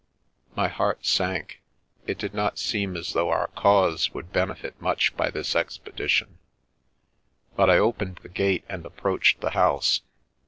My heart sank. It did not seem as though our cause would benefit much by this expedition, but I opened the gate and approached the house.